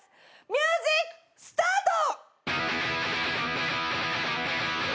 ミュージックスタート！